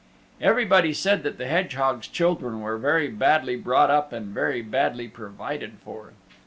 Everybody said that the hedgehogs' children were very badly brought up and very badly provided for.